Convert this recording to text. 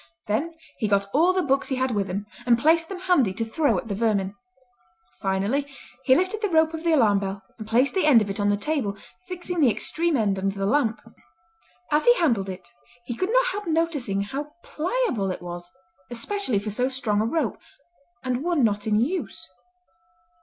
Then he got all the books he had with him, and placed them handy to throw at the vermin. Finally he lifted the rope of the alarm bell and placed the end of it on the table, fixing the extreme end under the lamp. As he handled it he could not help noticing how pliable it was, especially for so strong a rope, and one not in use.